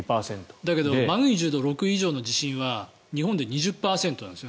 だけどマグニチュード６以上の地震は日本で２０％なんです。